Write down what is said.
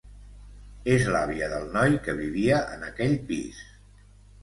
És l'àvia del noi que vivia en aquell pis.